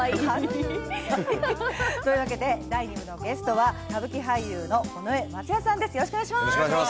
第２部のゲストは歌舞伎俳優の尾上松也さんです。